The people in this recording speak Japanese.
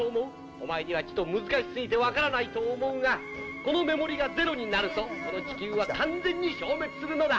お前には、ちと難しすぎて分からないと思うがこのメモリがゼロになるとこの地球は完全に消滅するのだ。